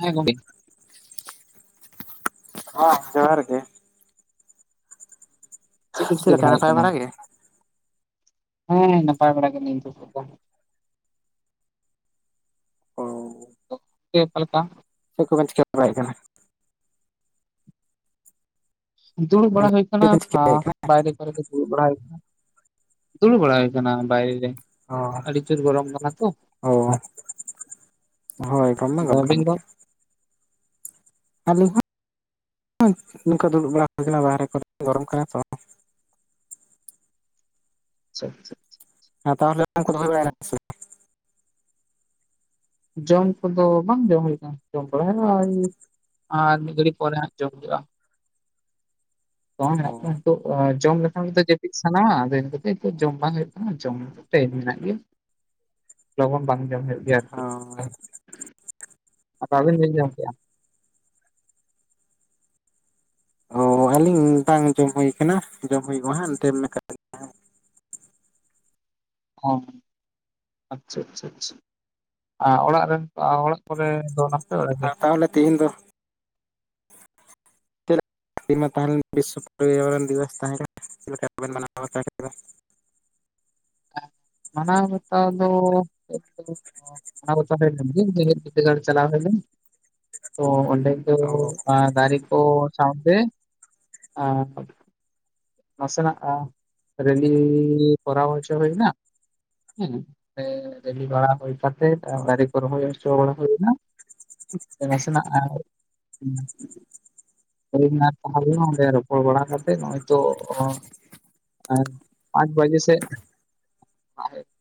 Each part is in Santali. ᱦᱮᱸ [unintelligible] ᱦᱚᱸ ᱡᱚᱸᱦᱟᱨ ᱜᱮ ᱾ ᱪᱮᱫ ᱠᱚ ᱪᱤᱠᱟᱹ ᱞᱮᱠᱟ ᱵᱟᱲᱟᱭ ᱦᱳᱭᱳᱜ ᱱᱟᱯᱟᱭ ᱠᱟᱱᱟ? ᱵᱟᱲᱟ ᱜᱮ? ᱦᱮᱸ ᱱᱟᱯᱟᱭ ᱵᱟᱲᱟ [unintelligible] ᱱᱤᱛᱚᱜ ᱫᱚ ᱾ ᱚ [unintelligible] ᱚᱠᱟ ᱞᱮᱠᱟ? ᱪᱮᱫ ᱠᱚ ᱵᱮᱱ ᱪᱤᱠ ᱵᱟᱲᱟᱭᱮᱫ ᱠᱟᱱᱟ? ᱫᱩᱲᱩ ᱵᱲᱟ ᱦᱩᱭ ᱪᱮᱫ ᱠᱟᱱᱟ ᱵᱮᱱ ᱾ ᱟ ᱪᱤᱠᱟᱹᱭᱮᱫ ᱠᱟᱱᱟ? ᱵᱟᱭᱨᱮ ᱠᱚᱨᱮ ᱫᱩᱲᱩᱵ ᱵᱟᱲᱟ ᱦᱳᱭ ᱠᱟᱱᱟ, ᱫᱩᱲᱩᱵ ᱵᱟᱲᱟ ᱦᱳᱭ ᱠᱟᱱᱟ ᱵᱟᱭᱨᱮ ᱨᱮ ᱾ ᱚ ᱾ ᱯᱨᱪᱩᱨ ᱜᱚᱨᱚᱢ ᱠᱟᱱᱟ ᱛᱚ ᱾ ᱚ ᱦᱳᱭ ᱜᱟᱱ ᱢᱟ ᱟᱫᱚ ᱜᱟᱱ ᱠᱟᱱ ᱟᱹᱵᱤᱱ ᱫᱚ? ᱜᱮᱭᱟ ᱾ ᱟᱹᱞᱤᱧ ᱦᱚᱸ ᱱᱚᱝᱠᱟ ᱫᱩᱲᱩᱵ ᱵᱟᱲᱟ ᱦᱩᱭ ᱠᱟᱱᱟ ᱵᱟᱦᱨᱮ ᱠᱚᱨᱮᱫ ᱜᱚᱨᱚᱢ ᱠᱟᱱᱟ ᱛᱚ ᱾ ᱟᱪᱪᱷᱟ ᱟᱪᱪᱷᱟ [unintelligible] ᱟᱨ ᱛᱟᱦᱞᱮ ᱡᱚᱢ ᱠᱚᱫᱚ ᱦᱩᱭ ᱵᱟᱲᱟᱭ ᱱᱟᱥᱮ [inaudible] [unintelligible] ᱡᱚᱢ ᱠᱚᱫᱚ ᱵᱟᱝ ᱡᱚᱢ ᱦᱩᱭ ᱠᱟᱱᱟ, ᱡᱚᱢ ᱵᱟᱲᱟ ᱦᱳᱭᱳᱜᱼᱟ ᱚᱭ ᱟᱨ ᱢᱤᱫ ᱜᱟᱲᱤ ᱯᱚᱨᱮ ᱦᱟᱜ ᱡᱚᱢ ᱦᱩᱭᱩᱜ-ᱟ ᱾ ᱵᱟᱝ [unintelligible] ᱛᱳ ᱚ ᱡᱚᱢ ᱞᱮᱠᱷᱟᱱ ᱛᱚ ᱡᱟᱹᱯᱤᱫ ᱥᱟᱱᱟᱣᱟ ᱟᱫᱚ ᱤᱱᱟᱹ ᱠᱷᱟᱛᱤᱨ ᱛᱮ ᱡᱚᱢ ᱵᱟᱝ ᱦᱩᱭᱩᱜ ᱠᱟᱱᱟ ᱡᱚᱢ ᱴᱟᱭᱤᱢ ᱢᱮᱱᱟᱜ ᱜᱮᱭᱟ ᱾ ᱞᱚᱜᱚᱱ ᱵᱟᱝ ᱡᱚᱢ ᱦᱳᱭᱳᱜ ᱜᱮᱭᱟ ᱟᱨᱠᱤ ᱵᱟᱝ? ᱾ ᱟᱫᱚ ᱟᱹᱵᱤᱱ ᱵᱤᱱ ᱡᱚᱢ ᱠᱮᱜᱼᱟ? ᱚ ᱟᱹᱞᱤᱧ ᱵᱟᱝ ᱡᱚᱢ ᱦᱳᱭ ᱠᱟᱱᱟ, ᱡᱚᱢ ᱦᱩᱭᱩᱜᱼᱟ ᱦᱟᱸᱜ ᱮᱱᱛᱮ ᱢᱮ ᱚᱸ ᱟᱪᱪᱷᱟ ᱟᱪᱪᱷᱟ ᱟᱪᱪᱷᱟ ᱾ ᱟᱨ ᱚᱲᱟᱜ ᱨᱮᱱ ᱟᱨ ᱚᱲᱟᱜ ᱠᱚᱨᱮ ᱫᱚ ᱱᱟᱯ ᱟᱨ ᱛᱟᱦᱚᱞᱮ ᱛᱮᱦᱤᱧ ᱫᱚ ᱪᱮᱫ ᱛᱮᱦᱮᱧ ᱢᱟ ᱛᱟᱦᱮᱸ ᱞᱮᱱ ᱵᱤᱥᱥᱚ ᱯᱚᱨᱭᱟᱵᱚᱱ ᱫᱤᱵᱚᱥ ᱛᱟᱦᱮᱸ ᱠᱟᱱᱟ ᱪᱮᱫ ᱞᱮᱠᱟᱵᱮᱱ ᱢᱟᱱᱟᱣ ᱵᱟᱛᱟᱣ ᱠᱮᱫᱟ? ᱢᱟᱱᱟᱣ ᱵᱟᱛᱟᱣ ᱫᱚᱻ ᱢᱟᱱᱟᱣ ᱵᱟᱛᱟᱣ ᱦᱳᱭ ᱞᱮᱱ ᱜᱮᱭᱟ ᱡᱮᱸᱜᱮᱫ ᱵᱤᱫᱽᱫᱟᱹᱜᱟᱲ ᱪᱟᱞᱟᱣ ᱦᱩᱭ ᱞᱮᱱᱟ, ᱛᱚ ᱚᱸᱰᱮ ᱫᱚ ᱚ ᱟᱨ ᱫᱟᱨᱮ ᱠᱚ ᱥᱟᱶᱛᱮ, ᱟᱨ ᱱᱟᱥᱮᱱᱟᱜ ᱟᱸ ᱨᱮᱞᱤᱻ ᱠᱚᱨᱟᱣ ᱦᱩᱭ ᱱᱟ ᱦᱮᱸ, ᱚᱸᱰᱮ ᱨᱮᱞᱤ ᱵᱟᱲᱟ ᱦᱩᱭ ᱠᱟᱛᱮ ᱫᱟᱨᱮ ᱠᱚ ᱨᱚᱦᱚᱭ ᱪᱚ ᱵᱟᱲᱟ ᱦᱳᱭ ᱱᱟ ᱦᱳᱭ ᱱᱟ ᱛᱟᱦᱞᱮ ᱚᱸᱰᱮ ᱨᱚᱯᱚᱲ ᱵᱟᱲᱟ ᱠᱟᱛᱮᱜ ᱱᱚᱜ-ᱚᱭ ᱛᱚ ᱟᱨ ᱯᱟᱸᱪ ᱵᱟᱡᱮ ᱥᱮᱫ [unintelligible]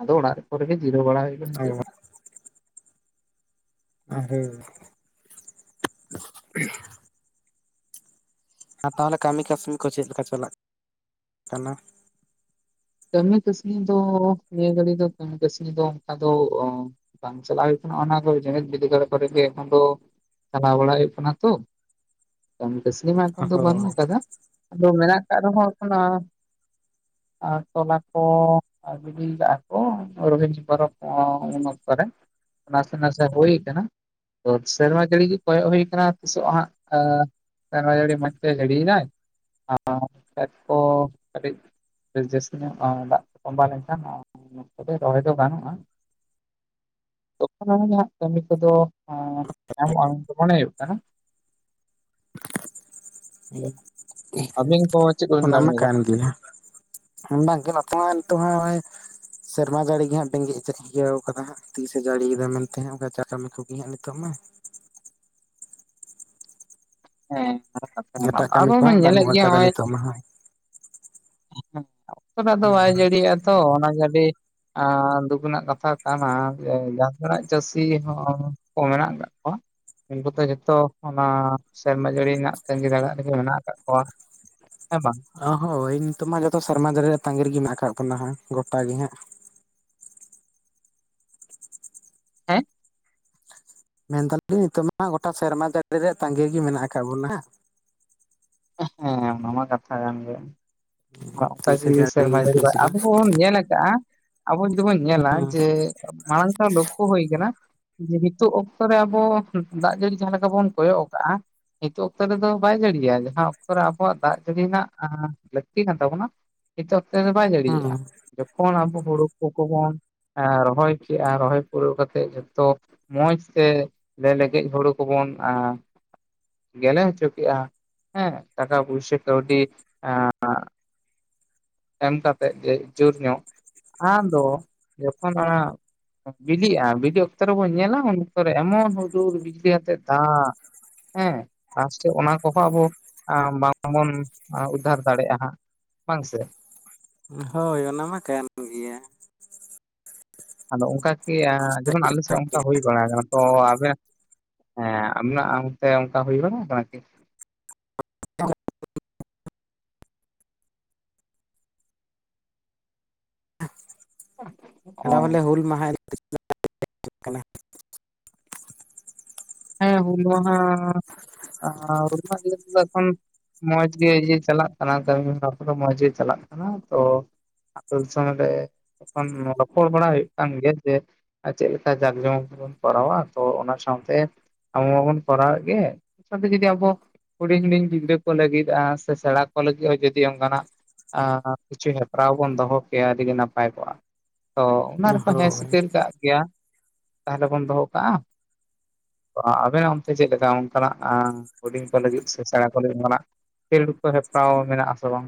ᱟᱫᱚ ᱚᱲᱟᱜ ᱠᱚᱨᱮ ᱜᱮ ᱡᱤᱨᱟᱹᱣ ᱵᱟᱲᱟ ᱦᱳᱭ ᱠᱟᱱᱟ ᱦᱤᱛᱚᱜ ᱫᱚ ᱾ [unintelligible] ᱟ ᱛᱟᱦᱚᱞᱮ ᱠᱟᱹᱢᱤ ᱠᱟᱹᱥᱱᱤ ᱠᱚ ᱪᱮᱫ ᱞᱮᱠᱟ ᱪᱟᱞᱟᱜ ᱠᱟᱱᱟ? ᱠᱟᱹᱢᱤ ᱠᱟᱹᱥᱱᱤ ᱫᱚ ᱱᱤᱭᱟᱹ ᱜᱷᱟᱹᱲᱤᱡ ᱫᱚ ᱠᱟᱹᱢᱤ ᱠᱟᱹᱥᱱᱤ ᱫᱚ ᱚᱱᱠᱟ ᱫᱚ ᱚᱸ ᱵᱟᱝ ᱪᱟᱞᱟᱣ ᱦᱳᱭ ᱠᱟᱱᱟ ᱾ ᱚᱱᱟ ᱠᱚ ᱡᱮᱸᱜᱮᱫ ᱵᱤᱨᱫᱟᱹᱜᱟᱲ ᱠᱚᱨᱮ ᱜᱮ ᱮᱠᱷᱚᱱ ᱫᱚ ᱪᱟᱞᱟᱣ ᱵᱟᱲᱟ ᱦᱳᱭᱳᱜ ᱠᱟᱱᱟ ᱛᱚ ᱾ ᱠᱟᱹᱢᱤ ᱠᱟᱹᱥᱱᱤ ᱢᱟ ᱮᱠᱷᱚᱱ ᱫᱚ ᱵᱟᱹᱱᱩᱜ ᱦᱳᱭ ᱠᱟᱫᱟ ᱟᱫᱚ ᱢᱮᱱᱟᱜ ᱟᱠᱟᱫ ᱨᱮᱦᱚᱸ ᱮᱠᱷᱱ ᱟᱸᱻ ᱟᱨ ᱛᱚᱞᱟ ᱠᱚᱻ ᱟᱨ ᱜᱤᱫᱤ ᱭᱟᱠᱟ ᱟᱠᱚ ᱨᱳᱦᱤᱱᱡᱤ ᱯᱚᱨᱚᱵ ᱩᱱ ᱚᱠᱛᱚᱨᱮ ᱱᱟᱥᱮ-ᱱᱟᱥᱮ ᱦᱩᱭ ᱟᱠᱟᱱᱟ᱾ ᱛᱚ ᱥᱮᱨᱢᱟ ᱡᱟᱹᱲᱤ ᱜᱮ ᱠᱚᱭᱚᱜ ᱦᱩᱭ ᱟᱠᱟᱱᱟ ᱛᱤᱥᱚᱜ ᱦᱟᱸᱜ, ᱟᱸᱻ ᱥᱮᱨᱢᱟ ᱡᱟᱹᱲᱤ ᱢᱚᱡ ᱛᱮ ᱡᱟ. ᱲᱤᱭᱮᱫᱟᱭ, ᱪᱮᱫ ᱠᱚ ᱠᱟᱹᱴᱤᱡ ᱡᱟᱹᱥᱛᱤ ᱧᱚᱜ-ᱝ ᱫᱟᱜ ᱛᱚᱢᱵᱟ ᱞᱮᱱᱠᱷᱟᱱ ᱛᱚᱵᱮ ᱨᱚᱦᱚᱭ ᱫᱚ ᱜᱟᱱᱜᱼᱟ ᱛᱚᱠᱷᱚᱱ ᱟᱱᱤᱜ ᱢᱟᱦᱟ ᱠᱟᱹᱢᱤ ᱠᱚᱫᱚ ᱦᱮᱸ, ᱧᱟᱢᱚᱼᱟ ᱚᱱᱠᱟ ᱢᱚᱱᱮ ᱦᱩᱭᱩᱜ ᱠᱟᱱᱟ᱾ ᱦᱩᱸ᱾ ᱟᱵᱤᱧ ᱚᱱᱟ ᱢᱟ ᱠᱟᱱ ᱜᱮᱭᱟ, ᱵᱟᱝᱜᱮ ᱵᱟᱯᱞᱟ ᱱᱤᱛᱚᱜ ᱦᱚᱸ ᱥᱮᱨᱢᱟ ᱡᱟᱹᱲᱤ ᱜᱮ ᱦᱟᱸᱜ ᱰᱤᱸᱜᱽᱭᱟ ᱤᱭᱟᱹᱣ ᱟᱠᱟᱫᱟᱭ ᱦᱟᱸᱜ ᱛᱤᱥᱮ ᱡᱟᱹᱲᱤᱭᱮᱫᱟ ᱢᱮᱱᱛᱮ ᱚᱱᱠᱟ ᱪᱟ ᱠᱟᱹᱢᱤ ᱠᱚᱜᱮ ᱦᱟᱸᱜ ᱱᱤᱛᱚᱜ ᱢᱟ᱾ ᱦᱮᱸ, ᱟᱵᱚ ᱵᱚᱱ ᱧᱮᱞᱮᱫ ᱜᱮᱭᱟ ᱱᱚᱜᱼᱚᱭ ᱚᱱᱟ ᱦᱚᱸ᱾ ᱚᱠᱛᱚᱴᱟᱜ ᱫᱚ ᱵᱟᱭ ᱦᱩᱸ ᱡᱟᱹᱲᱤᱜᱼᱟ ᱛᱚ ᱚᱱᱟ ᱜᱤ ᱟᱹᱰᱤ ᱟᱨ ᱫᱩᱠ ᱨᱮᱱᱟᱜ ᱠᱟᱛᱷᱟ ᱠᱟᱱᱟ ᱡᱟᱦᱟᱸ ᱛᱤᱱᱟᱜ ᱪᱟᱹᱥᱤ ᱦᱚᱸ ᱠᱚ ᱢᱮᱱᱟᱜ ᱟᱠᱟᱫ ᱠᱚᱣᱟ ᱩᱱᱠᱩ ᱫᱚ ᱡᱚᱛᱚ, ᱚᱱᱟ ᱥᱮᱨᱢᱟ ᱡᱟᱹᱲᱤ ᱨᱮᱱᱟᱜ ᱛᱟᱸᱜᱤ ᱛᱟᱬᱟᱜ ᱨᱮᱜᱮ ᱢᱮᱱᱟᱜ ᱟᱠᱟᱫ ᱠᱚᱣᱟ᱾ ᱦᱮᱸ ᱵᱟᱝ᱾ ᱚ ᱦᱳᱭ ᱱᱤᱛᱚᱜ ᱢᱟ ᱡᱚᱛᱚ ᱥᱮᱨᱢᱟ ᱦᱟ. ᱲᱤᱭᱟᱼᱜ ᱛᱟᱸᱜᱤ ᱨᱮ ᱜᱮ ᱢᱮᱱᱟᱜ ᱟᱠᱟᱫ ᱵᱚᱱᱟ ᱦᱟᱜ ᱜᱚᱴᱟ ᱜᱮ ᱦᱟᱸᱜ ᱦᱮᱸ᱾ ᱢᱮᱱ ᱮᱫᱟ ᱞᱤᱧ ᱱᱤᱛᱚᱜ ᱢᱟ ᱜᱚᱴᱟ ᱥᱮᱨᱢᱟ ᱡᱟᱹᱲᱤ ᱨᱮᱭᱟᱜ ᱛᱟᱸᱜᱤ ᱜᱮ ᱢᱮᱱᱟᱜ ᱟᱠᱟᱫ ᱵᱚᱱᱟ᱾ ᱦᱮᱸ ᱚᱱᱟ ᱢᱟ ᱠᱟᱛᱷᱟ ᱠᱟᱱ ᱜᱮᱭᱟ᱾ ᱚᱱᱠᱟ ᱛᱤᱥᱮ ᱡᱤᱣᱤ ᱥᱮᱨᱢᱟ ᱡᱟᱹᱲᱤᱭᱮᱫᱟ ᱡᱟᱹᱲᱤ ᱛᱤᱥ ᱟᱵᱚ ᱵᱟᱝ ᱦᱚᱸᱵᱚᱱ ᱧᱮᱞ ᱟᱠᱟᱜᱼᱟ ᱟᱵᱚ ᱡᱩᱫᱤ ᱵᱚᱱ ᱧᱮᱞᱟ ᱡᱮ ᱢᱟᱲᱟᱝ ᱥᱟᱶ ᱞᱚᱠᱷᱚ ᱦᱩᱭ ᱟᱠᱟᱱᱟ ᱡᱮ ᱱᱤᱛᱚᱜ ᱚᱠᱛᱚ ᱨᱮ ᱟᱵᱚ, ᱫᱟᱜ ᱡᱟᱹᱲᱤ ᱡᱟᱦᱟᱸ ᱞᱮᱠᱟ ᱵᱚᱱ ᱠᱚᱭᱚᱜ ᱠᱟᱜᱼᱟ ᱱᱤᱛᱚᱜ ᱚᱠᱛᱚ ᱨᱮᱫᱚ ᱵᱟᱭ ᱡᱟᱹᱲᱤᱭᱟ ᱡᱟᱦᱟᱸ ᱚᱠᱛᱚ ᱨᱮ ᱟᱵᱚᱣᱟᱜ ᱫᱟᱜ ᱡᱟᱹᱲᱤ ᱨᱮᱱᱟᱜ ᱞᱟᱹᱠᱛᱤ ᱠᱟᱱ ᱛᱟᱵᱚᱱᱟ ᱱᱤᱛᱚᱜ ᱚᱠᱛᱮ ᱫᱚ ᱵᱟᱭ ᱡᱟᱲᱤᱭᱟᱜᱼᱟ, ᱦᱩᱸ ᱡᱚᱠᱷᱚᱱ ᱟᱵᱚ ᱦᱩᱲᱩ ᱠᱚ ᱠᱚᱵᱚᱱ ᱨᱚᱦᱚᱭ ᱠᱮᱫᱼᱟ ᱨᱚᱦᱚᱭ ᱯᱩᱨᱟᱹᱣ ᱠᱟᱛᱮᱫ ᱡᱚᱛᱚ ᱢᱚᱸᱡ ᱛᱮ ᱞᱟᱹᱭ ᱞᱮᱜᱮᱡ ᱦᱩᱲᱩ ᱠᱚᱵᱚᱱ ᱜᱮᱞᱮ ᱦᱚᱪᱚ ᱠᱮᱜᱼᱟ ᱦᱮᱸ ᱴᱟᱠᱟ ᱯᱩᱭᱥᱟᱹ ᱠᱟᱹᱣᱰᱤ ᱮ ᱮᱢ ᱠᱟᱛᱮᱫ ᱜᱮ ᱡᱩᱨ ᱧᱚᱜ, ᱟᱢᱫᱚ ᱡᱚᱠᱷᱚᱱ ᱟᱜ ᱵᱤᱞᱤᱜᱼᱟ ᱵᱤᱞᱤᱜ ᱚᱠᱛᱚ ᱨᱮᱵᱚᱱ ᱧᱮᱞᱟ ᱩᱱ ᱚᱠᱛᱚ ᱨᱮ ᱮᱢᱚᱱ ᱦᱩᱰᱩᱨ ᱵᱤᱡᱽᱞᱤ ᱟᱛᱮᱫ ᱫᱟᱜ ᱦᱮᱸ ᱯᱟᱥᱮ ᱚᱱᱟ ᱠᱚᱦᱚᱸ ᱟᱵᱚ ᱵᱟᱝᱵᱚᱱ ᱩᱫᱽᱟᱹᱨ ᱫᱟᱲᱮᱭᱟᱜᱼᱟ ᱦᱟᱸᱜ ᱵᱟᱝ ᱥᱮ᱾ ᱦᱳᱭ ᱚᱱᱟᱢᱟ ᱠᱟᱱ ᱜᱮᱭᱟ᱾ ᱟᱫᱚ ᱚᱱᱠᱟ ᱠᱤ ᱡᱮᱢᱚᱱ ᱟᱞᱮ ᱥᱮᱫ ᱚᱱᱠᱟ ᱦᱩᱭ ᱵᱟᱲᱟ ᱟᱠᱟᱱᱟ ᱛᱚ ᱟᱵᱮ ᱦᱮᱸ ᱟᱵᱤᱱᱟᱜ ᱚᱱᱛᱮ ᱚᱱᱠᱟ ᱦᱩᱭ ᱵᱟᱲᱟ ᱟᱠᱟᱱᱟ ᱠᱤ ᱦᱮᱸ᱾ ᱟᱞᱮ‌ ᱦᱚᱞᱮ ᱦᱩᱞ ᱢᱟᱦᱟ ᱦᱮᱸ ᱦᱩᱞ ᱢᱟᱦᱟ, ᱦᱩᱞ ᱢᱟᱦᱟ ᱤᱫᱤ ᱠᱟᱛᱮ ᱫᱚ ᱮᱠᱷᱚᱱ ᱢᱚᱸᱡᱽᱜᱮ ᱡᱮ ᱪᱟᱞᱟᱜ ᱠᱟᱱᱟ ᱠᱟᱹᱢᱤ ᱦᱚᱨᱟ ᱠᱚᱫᱚ ᱢᱚᱸᱡᱽ ᱜᱮ ᱪᱟᱞᱟᱜ ᱠᱟᱱᱟ ᱛᱚ ᱩᱱ ᱥᱚᱢᱚᱭ ᱨᱮ ᱮᱠᱷᱚᱱ ᱨᱚᱯᱚᱲ ᱵᱟᱲᱟ ᱦᱩᱭᱩᱜ ᱠᱟᱱ ᱜᱮᱭᱟ ᱡᱮ ᱟᱨ ᱪᱮᱫ ᱞᱮᱠᱟ ᱡᱟᱸᱠ ᱡᱚᱢᱚᱠᱵᱚᱱ ᱠᱚᱨᱟᱣᱟ ᱛᱚ ᱚᱱᱟ ᱥᱟᱶᱛᱮ ᱟᱵᱚ ᱢᱟᱵᱚᱱ ᱠᱚᱨᱟᱣ ᱮᱫ ᱜᱮ ᱥᱟᱶᱛᱮ ᱡᱩᱫᱤ ᱟᱵᱚ ᱦᱩᱰᱤᱧ-ᱦᱩᱰᱤᱧ ᱜᱤᱫᱽᱨᱟᱹ ᱠᱚ ᱞᱟᱹᱜᱤᱫ ᱥᱮ ᱥᱮᱬᱟ ᱠᱚ ᱞᱟᱹᱜᱤᱫ ᱦᱚᱸ ᱡᱩᱫᱤ ᱚᱱᱠᱟᱱᱟᱜ ᱠᱤᱪᱷᱩ ᱦᱮᱯᱨᱟᱣ ᱵᱚᱱ ᱫᱚᱦᱚ ᱠᱮᱭᱟ ᱟᱹᱰᱤ ᱜᱤ ᱱᱟᱯᱟᱭ ᱠᱚᱜᱼᱟ᱾ ᱛᱚ ᱚᱱᱟ ᱨᱮᱠᱚ ᱦᱮᱸ ᱦᱳᱭ ᱥᱤᱠᱟᱹᱨ ᱠᱟᱜ ᱜᱮᱭᱟ, ᱛᱟᱦᱚᱞᱮ ᱵᱚᱱ ᱫᱚᱦᱚ ᱠᱟᱜᱼᱟ᱾ ᱟᱵᱮᱱᱟᱜ ᱚᱱᱛᱮ ᱪᱮᱫ ᱞᱮᱠᱟ, ᱚᱱᱠᱟᱱᱟᱜ ᱦᱩᱰᱤᱧ ᱠᱚ ᱞᱟᱹᱜᱤᱫ ᱥᱮ ᱥᱮᱬᱟ ᱠᱚ ᱞᱟᱹᱜᱤᱫ ᱚᱱᱠᱟᱱᱟᱜ ᱠᱷᱮᱞᱚᱰ ᱠᱚ ᱦᱮᱯᱨᱟᱣ ᱢᱮᱱᱟᱜᱼᱟ ᱟᱥᱮ ᱵᱟᱝ?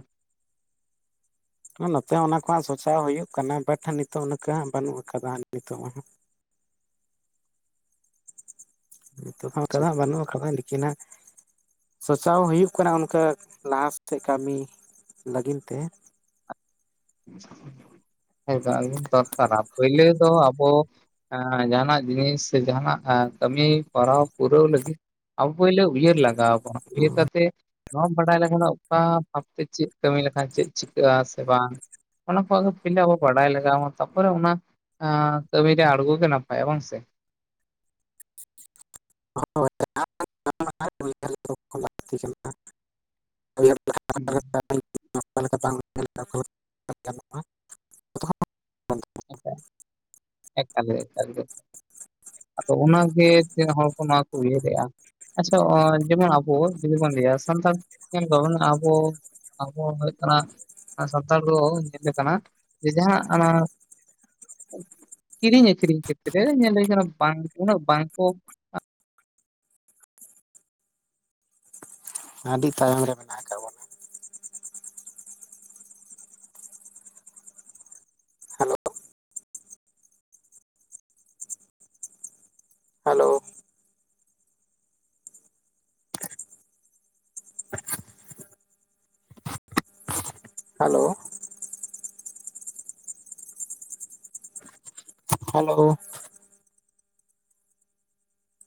ᱱᱚᱛᱮ ᱚᱱᱟ ᱠᱚ ᱥᱚᱪᱟᱣ ᱦᱩᱭᱩᱜ ᱠᱟᱱᱟ ᱵᱟᱴ ᱱᱤᱛᱚᱜ ᱱᱚᱝᱠᱟᱱᱟᱜ ᱦᱟᱜ ᱵᱟᱹᱱᱩᱜ ᱟᱠᱟᱫᱟ ᱱᱤᱛᱚᱜ ᱢᱟᱦᱟᱼᱜ᱾ ᱱᱤᱛᱚᱜ ᱫᱚ ᱚᱱᱠᱟ ᱫᱚ ᱦᱟᱸᱜ ᱵᱟᱱᱩᱜ ᱠᱟᱫᱟ, ᱞᱤᱠᱤᱱ ᱱᱟᱜ ᱥᱟᱪᱟᱣ ᱦᱩᱭᱩᱜ ᱠᱟᱱᱟ, ᱚᱱᱠᱟ ᱞᱟᱦᱟ ᱥᱮᱫ ᱠᱟᱹᱢᱤ ᱞᱟᱹᱜᱤᱫ ᱛᱮ᱾ ᱦᱮᱸ ᱫᱚᱨᱠᱟᱨᱟ ᱯᱳᱭᱞᱚ ᱫᱚ ᱟᱵᱚ ᱮᱸ ᱡᱟᱦᱟᱸᱱᱟᱜ ᱡᱤᱱᱤᱥ ᱥᱮ ᱡᱟᱦᱟᱸᱱᱟᱜ ᱠᱟᱹᱢᱤ ᱯᱚᱨᱟᱣ ᱯᱩᱨᱟᱹᱣ ᱞᱟᱹᱜᱤᱫ ᱟᱵᱚ ᱯᱳᱭᱞᱚ ᱩᱭᱦᱟᱹᱨ ᱞᱟᱜᱟᱣ ᱟᱵᱚᱱᱟ, ᱩᱭᱦᱟᱹᱨ ᱠᱟᱛᱮ ᱱᱚᱣᱟᱢ ᱵᱟᱰᱟᱭ ᱞᱮᱠᱷᱟᱱ ᱚᱠᱟ ᱵᱷᱟᱵ ᱛᱮ ᱪᱮᱫ ᱠᱟᱹᱢᱤ ᱞᱮᱠᱷᱟᱱ ᱪᱮᱫ ᱪᱤᱠᱟᱹᱜᱼ ᱟ ᱥᱮ ᱵᱟᱝ? ᱚᱱᱟ ᱠᱚ ᱟᱹᱜᱮ ᱯᱟᱹᱭᱞᱚᱹ ᱟᱵᱚ ᱵᱟᱰᱟᱭ ᱞᱟᱜᱟᱣ ᱢᱟ, ᱛᱟᱯᱚᱨᱮ ᱚᱱᱟ ᱠᱟᱹᱢᱤ ᱨᱮ ᱟᱬᱜᱚ ᱜᱮ ᱱᱟᱯᱟᱭᱟ ᱵᱟᱝ ᱥᱮ? ᱦᱳᱸᱭ, ᱞᱟᱹᱠᱛᱤ ᱦᱩᱸ᱾ ᱠᱟᱱᱟ᱾ [unintelligible] ᱦᱮᱸ ᱮᱠᱟᱞ ᱜᱮ, ᱮᱠᱟᱞ ᱜᱮ᱾ ᱟᱫᱚ ᱚᱱᱟ ᱜᱮ ᱛᱤᱱᱟᱹᱜ ᱦᱚᱲ ᱠᱚ ᱱᱚᱣᱟ ᱠᱚ ᱩᱭᱦᱟᱹᱨᱮᱜᱼᱟ᱾ ᱟᱪᱪᱷᱟ, ᱡᱮᱢᱚᱱ ᱟᱵᱚ ᱡᱩᱫᱤ ᱵᱚᱱ ᱞᱟᱹᱭᱟ ᱥᱟᱱᱛᱟᱲ ᱟᱵᱚ ᱟᱵᱚ ᱦᱩᱭᱩᱜ ᱠᱟᱱᱟ ᱥᱟᱱᱛᱟᱲ ᱫᱚ ᱧᱮᱞ ᱠᱟᱱᱟ ᱡᱮ ᱡᱟᱦᱟᱸ ᱚᱱᱟ ᱠᱤᱨᱤᱧ ᱟᱹᱠᱷᱨᱤᱧ ᱠᱷᱮᱛ ᱨᱮ ᱧᱮᱞ ᱦᱩᱭ ᱠᱟᱱᱟ, ᱵᱟᱝ ᱩᱱᱟ ᱟᱹᱰᱤ ᱛᱟᱭᱚᱢ ᱨᱮ ᱢᱮᱱᱟᱜ ᱟᱠᱟᱫ ᱵᱚᱱᱟ ᱦᱮᱞᱳ ᱦᱮᱞᱳ ᱦᱮᱞᱳ ᱦᱮᱞᱳ!